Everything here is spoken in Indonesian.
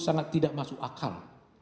sangat tidak masuk akal